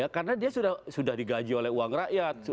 karena dia sudah digaji oleh uang rakyat